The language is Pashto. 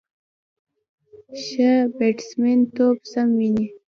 ښه بیټسمېن توپ سم ویني.